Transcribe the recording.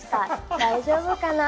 大丈夫かなぁ？